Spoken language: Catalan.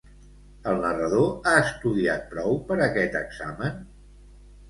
El narrador ha estudiat prou per a aquest examen?